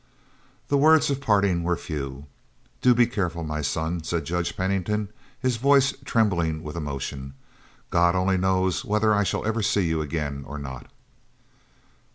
The words of parting were few. "Do be careful, my son," said Judge Pennington, his voice trembling with emotion. "God only knows whether I shall ever see you again or not."